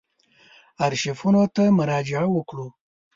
آرشیفونو ته مراجعه وکړو.